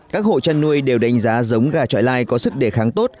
các hộ chăn nuôi đều đánh giá giống gà trọi lai có sức đề kháng tốt